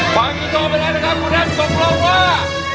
ภาคมีตัวเบลอแล้วก็ค่ะผู้แท่นของเราว่า